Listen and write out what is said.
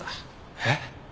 えっ！？